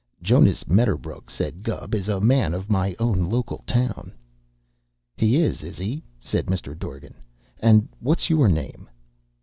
"Jonas Medderbrook," said Mr. Gubb, "is a man of my own local town." "He is, is he?" said Mr. Dorgan. "And what's your name?"